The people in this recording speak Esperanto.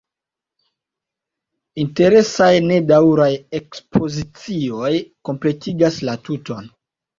Interesaj nedaŭraj ekspozicioj kompletigas la tuton.